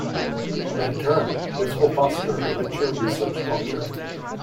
In turn, this will foster a richer research culture.